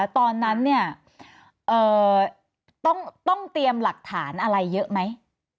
ตอนนั้นต้องเตรียมหลักฐานอะไรเยอะไหม